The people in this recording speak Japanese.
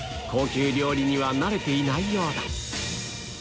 高級料理には慣れていないようだ